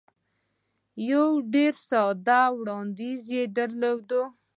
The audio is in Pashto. یو ډېر ساده وړاندیز یې درلود.